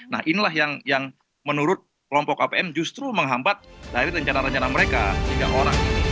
nah inilah yang menurut kelompok opm justru menghampat dari rencana rencana mereka